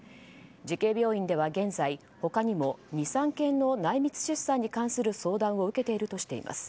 慈恵病院では現在他にも２３件の内密出産に関する相談を受けているとしています。